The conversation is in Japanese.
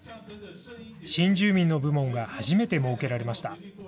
新住民の部門が初めて設けられました。